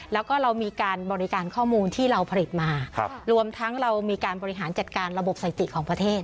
แล้วก็เรามีการบริการข้อมูลที่เราผลิตมารวมทั้งเรามีการบริหารจัดการระบบสถิติของประเทศ